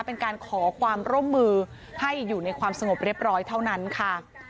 เป็นการขอความร่วมมือให้อยู่ในความสงบเรียบร้อยเท่านั้นค่ะ